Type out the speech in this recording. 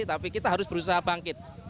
tapi kita harus berusaha bangkit